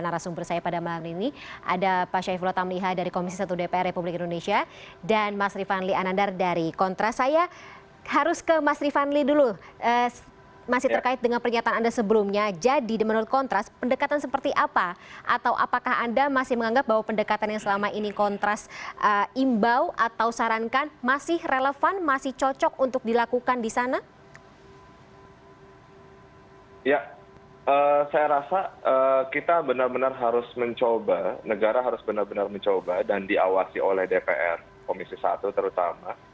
ya saya rasa kita benar benar harus mencoba negara harus benar benar mencoba dan diawasi oleh dpr komisi satu terutama